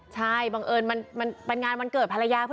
ใช่บังเอิญมันเป็นงานวันเกิดภรรยา